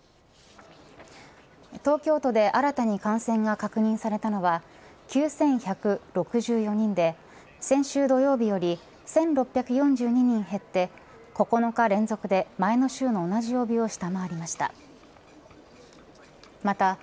東京都で新たに感染が確認されたのは９１６４人で先週土曜日より１６４２人減って９日連続で、前の週の同じ曜日を下回りました。